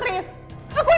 kamu nyakitin aku terus riz